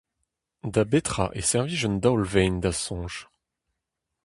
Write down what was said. Da betra e servij un daol-vaen, da'z soñj ?